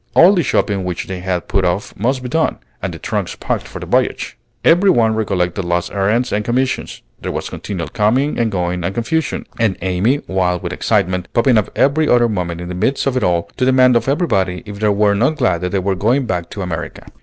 All the shopping which they had put off must be done, and the trunks packed for the voyage. Every one recollected last errands and commissions; there was continual coming and going and confusion, and Amy, wild with excitement, popping up every other moment in the midst of it all, to demand of everybody if they were not glad that they were going back to America.